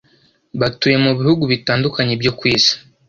batuye mu bihugu bitandukanye byo ku isi.